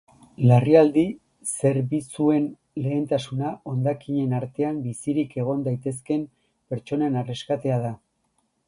Larrialdi zerbitzuen lehentasuna hondakinen artean bizirik egon daitezken pertsonen erreskatea da.